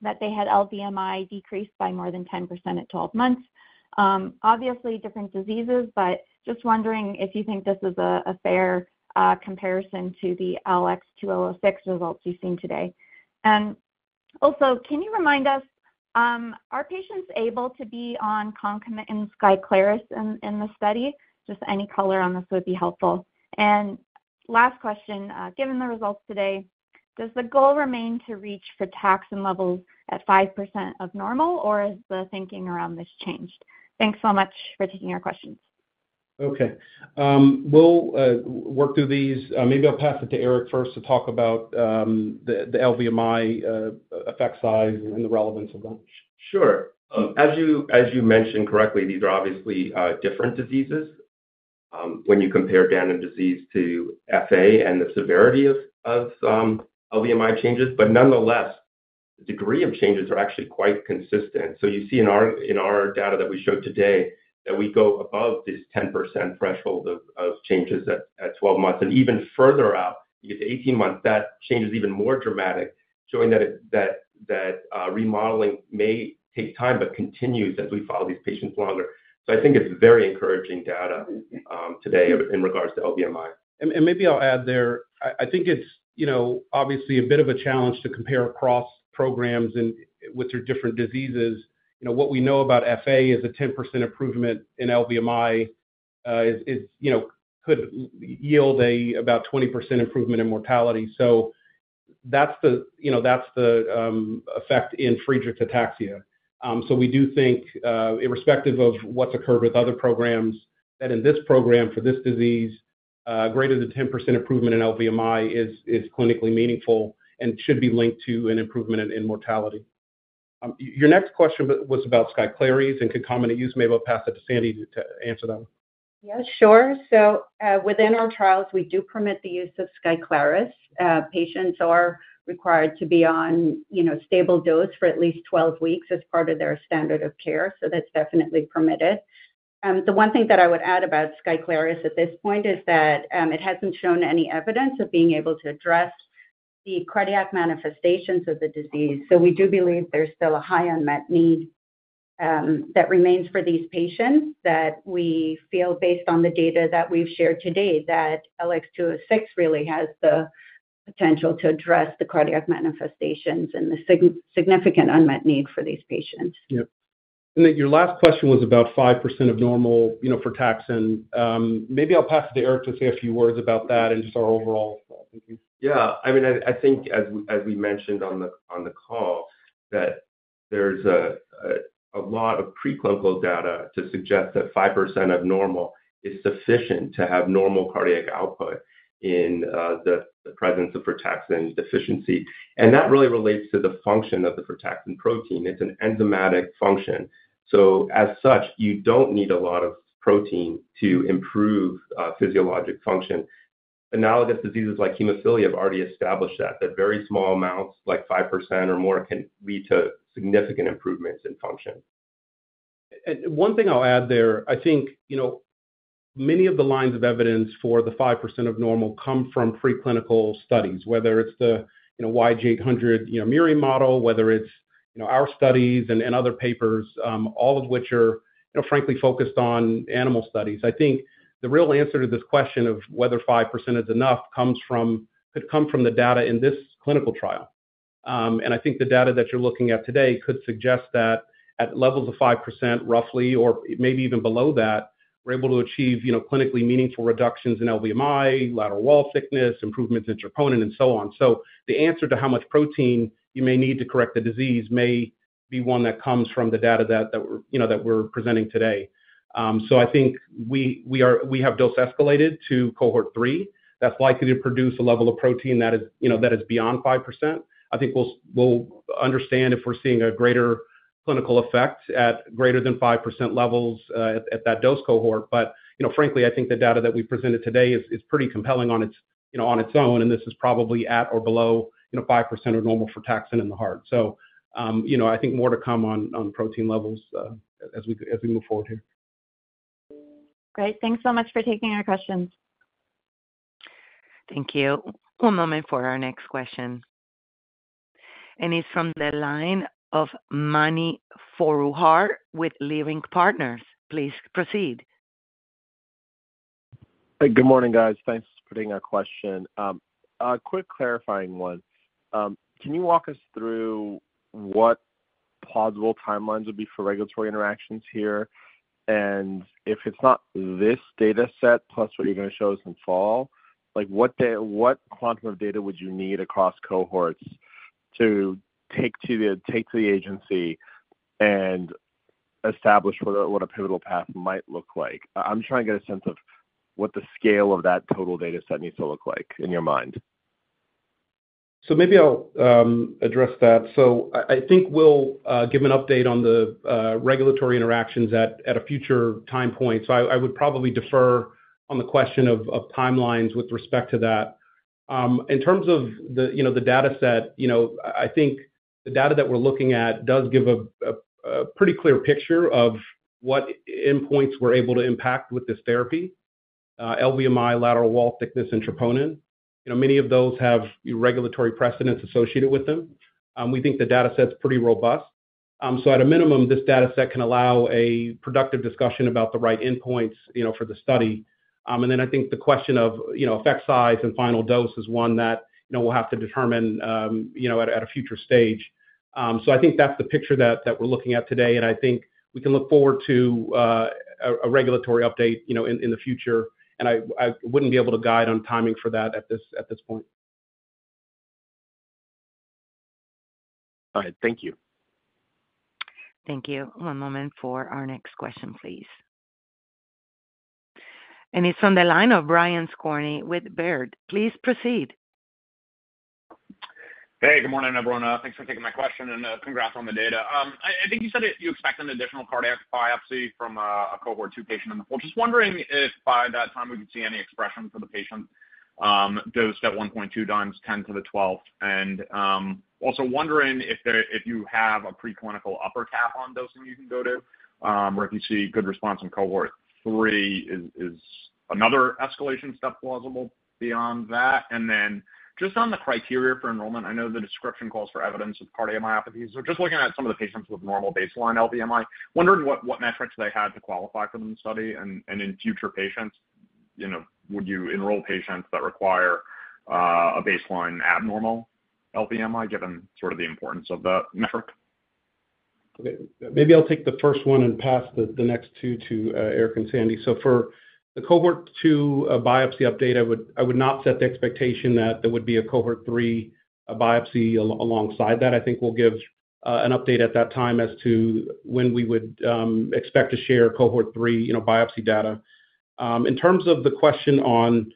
that they had LVMI decreased by more than 10% at 12 months. Obviously, different diseases, but just wondering if you think this is a fair comparison to the LX2006 results we've seen today. And also, can you remind us, are patients able to be on concomitant SKYCLARYS in the study? Just any color on this would be helpful. And last question, given the results today, does the goal remain to reach frataxin levels at 5% of normal, or has the thinking around this changed? Thanks so much for taking our questions. Okay. We'll work through these. Maybe I'll pass it to Eric first to talk about the LVMI effect size and the relevance of that. Sure. As you mentioned correctly, these are obviously different diseases when you compare Danon disease to FA and the severity of LVMI changes, but nonetheless, the degree of changes are actually quite consistent. So you see in our data that we showed today that we go above this 10% threshold of changes at 12 months, and even further out, you get to 18 months, that change is even more dramatic, showing that remodeling may take time, but continues as we follow these patients longer. So I think it's very encouraging data today in regards to LVMI. Maybe I'll add there. I think it's, you know, obviously a bit of a challenge to compare across programs and which are different diseases. You know, what we know about FA is a 10% improvement in LVMI is, you know, could yield about a 20% improvement in mortality. So that's the, you know, that's the effect in Friedreich's ataxia. So we do think, irrespective of what's occurred with other programs, that in this program, for this disease, greater than 10% improvement in LVMI is clinically meaningful and should be linked to an improvement in mortality. Your next question was about SKYCLARYS and concomitant use. Maybe I'll pass it to Sandi to answer that. Yeah, sure. So, within our trials, we do permit the use of SKYCLARYS. Patients are required to be on, you know, stable dose for at least 12 weeks as part of their standard of care, so that's definitely permitted. The one thing that I would add about SKYCLARYS at this point is that, it hasn't shown any evidence of being able to address the cardiac manifestations of the disease, so we do believe there's still a high unmet need that remains for these patients that we feel, based on the data that we've shared today, that LX2006 really has the potential to address the cardiac manifestations and the significant unmet need for these patients. Yep. And then your last question was about 5% of normal, you know, frataxin. Maybe I'll pass it to Eric to say a few words about that and just our overall thinking. Yeah, I mean, I think as we mentioned on the call, that there's a lot of preclinical data to suggest that 5% of normal is sufficient to have normal cardiac output in the presence of frataxin deficiency. And that really relates to the function of the frataxin protein. It's an enzymatic function. So as such, you don't need a lot of protein to improve physiologic function. Analogous diseases like hemophilia have already established that very small amounts, like 5% or more, can lead to significant improvements in function. One thing I'll add there, I think, you know, many of the lines of evidence for the 5% of normal come from preclinical studies, whether it's the, you know, YG8-800, you know, murine model, whether it's, you know, our studies and other papers, all of which are, you know, frankly focused on animal studies. I think the real answer to this question of whether 5% is enough comes from - could come from the data in this clinical trial. I think the data that you're looking at today could suggest that at levels of 5%, roughly, or maybe even below that, we're able to achieve, you know, clinically meaningful reductions in LVMI, lateral wall thickness, improvements in troponin, and so on. So the answer to how much protein you may need to correct the disease may be one that comes from the data that, you know, that we're presenting today. So I think we are. We have dose escalated to cohort 3. That's likely to produce a level of protein that is, you know, that is beyond 5%. I think we'll understand if we're seeing a greater clinical effect at greater than 5% levels, at that dose cohort. But, you know, frankly, I think the data that we presented today is pretty compelling on its, you know, on its own, and this is probably at or below, you know, 5% of normal frataxin in the heart. So, you know, I think more to come on protein levels, as we move forward here. Great. Thanks so much for taking our questions. Thank you. One moment for our next question. It's from the line of Mani Foroohar with Leerink Partners. Please proceed. Hey, good morning, guys. Thanks for taking our question. A quick clarifying one. Can you walk us through what plausible timelines would be for regulatory interactions here? And if it's not this data set, plus what you're going to show us in fall, like, what quantum of data would you need across cohorts to take to the agency and establish what a pivotal path might look like? I'm trying to get a sense of what the scale of that total data set needs to look like in your mind. So maybe I'll address that. So I think we'll give an update on the regulatory interactions at a future time point. So I would probably defer on the question of timelines with respect to that. In terms of the, you know, the data set, you know, I think the data that we're looking at does give a pretty clear picture of what endpoints we're able to impact with this therapy. LVMI, lateral wall thickness, and troponin. You know, many of those have regulatory precedents associated with them. We think the data set's pretty robust. So at a minimum, this data set can allow a productive discussion about the right endpoints, you know, for the study. And then I think the question of, you know, effect size and final dose is one that, you know, we'll have to determine, you know, at a future stage. So I think that's the picture that we're looking at today, and I think we can look forward to a regulatory update, you know, in the future, and I wouldn't be able to guide on timing for that at this point. All right. Thank you. Thank you. One moment for our next question, please. It's from the line of Brian Skorney with Baird. Please proceed. Hey, good morning, everyone. Thanks for taking my question, and congrats on the data. I think you said that you expect an additional cardiac biopsy from a cohort 2 patient in the fall. Just wondering if by that time, we could see any expression for the patient dose at 1.2 × 10^12. And also wondering if you have a preclinical upper cap on dosing you can go to, or if you see good response in cohort 3, is another escalation step plausible beyond that? And then just on the criteria for enrollment, I know the description calls for evidence of cardiomyopathies. So just looking at some of the patients with normal baseline LVMI, wondering what metrics they had to qualify for the study, and in future patients, you know, would you enroll patients that require a baseline abnormal LVMI, given sort of the importance of that metric? Okay, maybe I'll take the first one and pass the next two to Eric and Sandi. So for the cohort 2 biopsy update, I would not set the expectation that there would be a cohort 3 biopsy alongside that. I think we'll give an update at that time as to when we would expect to share cohort 3, you know, biopsy data. In terms of the question on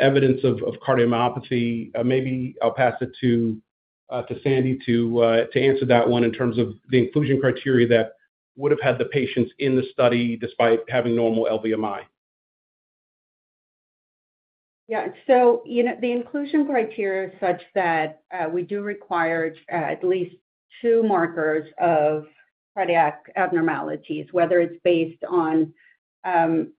evidence of cardiomyopathy, maybe I'll pass it to Sandi to answer that one in terms of the inclusion criteria that would have had the patients in the study despite having normal LVMI. Yeah. So you know, the inclusion criteria is such that, we do require at least two markers of cardiac abnormalities, whether it's based on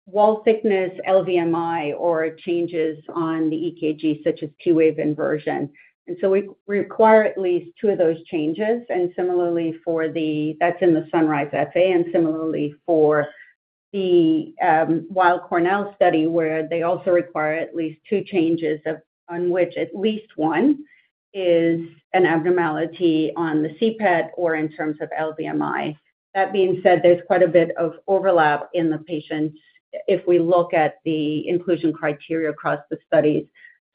wall thickness, LVMI, or changes on the EKG, such as T-wave inversion. And so we require at least two of those changes, and similarly for the, that's in the SUNRISE-FA, and similarly for the Weill Cornell study, where they also require at least two changes, on which at least one is an abnormality on the CPET or in terms of LVMI. That being said, there's quite a bit of overlap in the patients if we look at the inclusion criteria across the studies.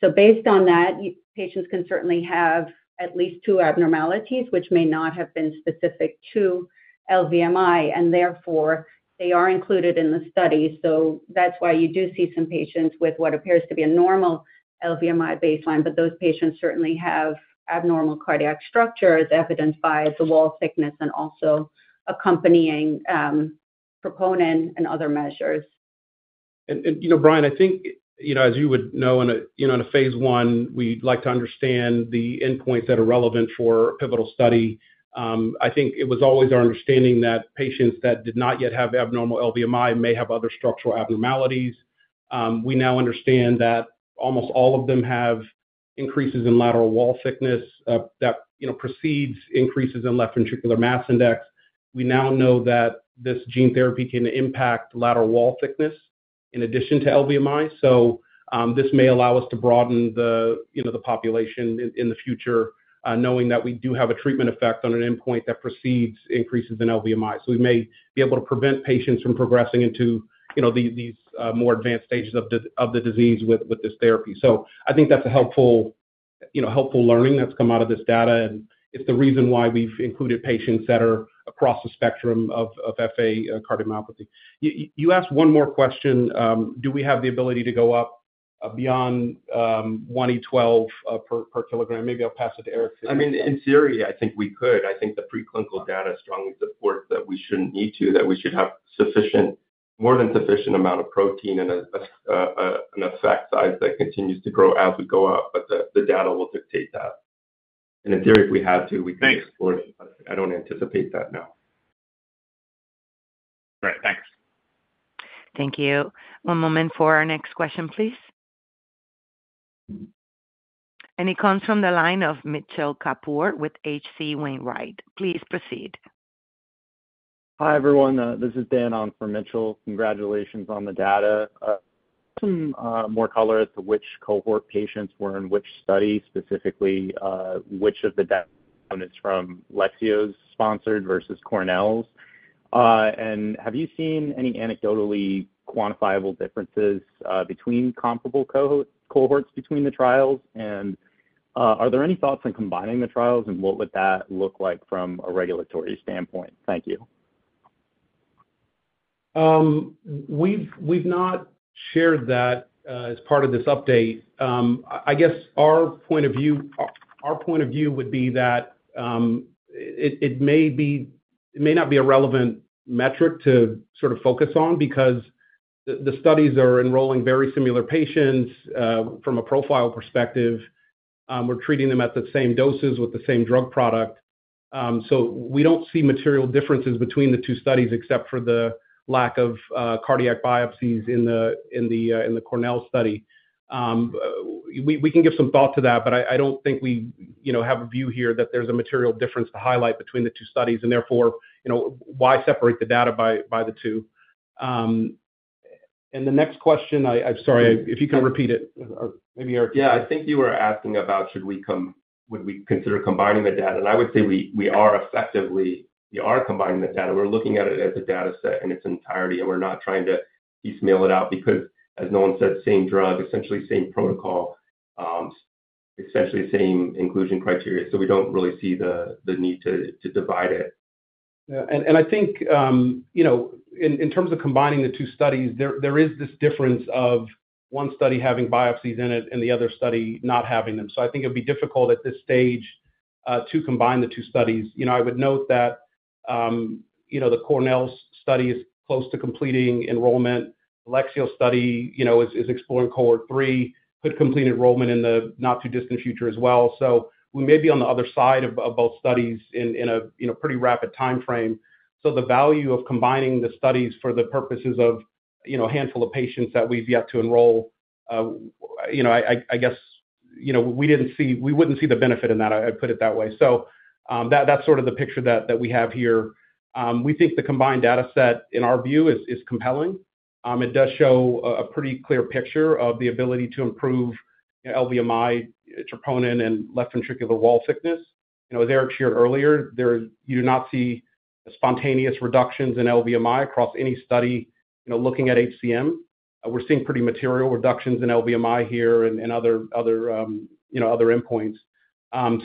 So based on that, patients can certainly have at least two abnormalities, which may not have been specific to LVMI, and therefore they are included in the study. So that's why you do see some patients with what appears to be a normal LVMI baseline, but those patients certainly have abnormal cardiac structure, as evidenced by the wall thickness and also accompanying troponins and other measures. you know, Brian, I think, you know, as you would know, in a, you know, in a phase 1, we like to understand the endpoints that are relevant for a pivotal study. I think it was always our understanding that patients that did not yet have abnormal LVMI may have other structural abnormalities. We now understand that almost all of them have increases in lateral wall thickness, that, you know, precedes increases in left ventricular mass index. We now know that this gene therapy can impact lateral wall thickness in addition to LVMI. This may allow us to broaden the, you know, the population in, in the future, knowing that we do have a treatment effect on an endpoint that precedes increases in LVMI. So we may be able to prevent patients from progressing into, you know, these more advanced stages of the disease with this therapy. So I think that's a helpful, you know, learning that's come out of this data, and it's the reason why we've included patients that are across the spectrum of FA cardiomyopathy. You asked one more question, do we have the ability to go up beyond 1 E12 per kilogram? Maybe I'll pass it to Eric. I mean, in theory, I think we could. I think the preclinical data strongly supports that we shouldn't need to, that we should have sufficient, more than sufficient amount of protein and an effect size that continues to grow as we go up, but the data will dictate that. And in theory, if we had to, we could explore it. Thanks. I don't anticipate that, no. Great. Thanks. Thank you. One moment for our next question, please. It comes from the line of Mitchell Kapoor with H.C. Wainwright. Please proceed. Hi, everyone. This is Dan on for Mitchell. Congratulations on the data. Some more color as to which cohort patients were in which study, specifically, which of the data is from Lexeo's sponsored versus Cornell's? And have you seen any anecdotally quantifiable differences between comparable cohort, cohorts between the trials? And, are there any thoughts on combining the trials, and what would that look like from a regulatory standpoint? Thank you. We've not shared that as part of this update. I guess our point of view would be that it may not be a relevant metric to sort of focus on because the studies are enrolling very similar patients from a profile perspective. We're treating them at the same doses with the same drug product. So we don't see material differences between the two studies, except for the lack of cardiac biopsies in the Cornell study. We can give some thought to that, but I don't think we, you know, have a view here that there's a material difference to highlight between the two studies, and therefore, you know, why separate the data by the two? And the next question, I'm sorry, if you can repeat it, maybe, Eric. Yeah, I think you were asking about should we come—would we consider combining the data? And I would say we are effectively combining the data. We're looking at it as a data set in its entirety, and we're not trying to piecemeal it out because, as Nolan said, same drug, essentially same protocol, essentially same inclusion criteria. So we don't really see the need to divide it. Yeah. And I think, you know, in terms of combining the two studies, there is this difference of one study having biopsies in it and the other study not having them. So I think it'd be difficult at this stage to combine the two studies. You know, I would note that, you know, the Cornell study is close to completing enrollment. Lexeo study, you know, is exploring cohort 3, could complete enrollment in the not-too-distant future as well. So we may be on the other side of both studies in a, you know, pretty rapid time frame. So the value of combining the studies for the purposes of, you know, a handful of patients that we've yet to enroll, you know, I guess, you know, we wouldn't see the benefit in that, I'd put it that way. So, that's sort of the picture that we have here. We think the combined data set, in our view, is compelling. It does show a pretty clear picture of the ability to improve LVMI, troponin, and left ventricular wall thickness. You know, as Eric shared earlier, you do not see spontaneous reductions in LVMI across any study, you know, looking at HCM. We're seeing pretty material reductions in LVMI here and other endpoints.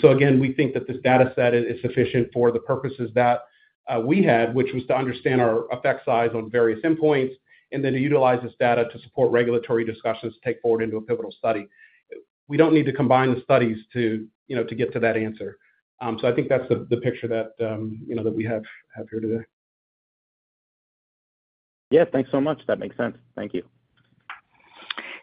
So again, we think that this data set is sufficient for the purposes that we had, which was to understand our effect size on various endpoints and then to utilize this data to support regulatory discussions to take forward into a pivotal study. We don't need to combine the studies to, you know, to get to that answer. So I think that's the picture that, you know, that we have here today. Yeah. Thanks so much. That makes sense. Thank you.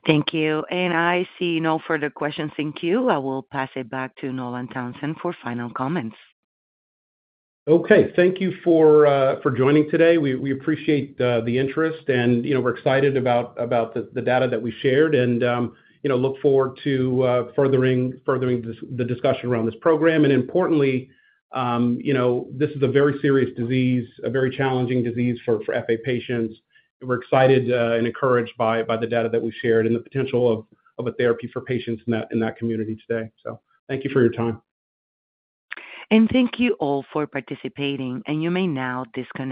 Thank you. And I see no further questions in queue. I will pass it back to Nolan Townsend for final comments. Okay. Thank you for joining today. We appreciate the interest and, you know, we're excited about the data that we shared and, you know, look forward to furthering the discussion around this program. And importantly, you know, this is a very serious disease, a very challenging disease for FA patients. We're excited and encouraged by the data that we shared and the potential of a therapy for patients in that community today. So thank you for your time. Thank you all for participating, and you may now disconnect.